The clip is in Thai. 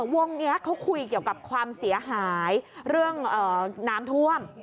วงนี้เขาคุยเกี่ยวกับความเสียหายเรื่องน้ำท่วม